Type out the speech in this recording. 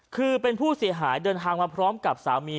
คือเป็นผู้เสียหายเดินทางมาพร้อมกับสามี